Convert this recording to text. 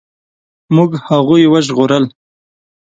موږ هغوی وژغورل.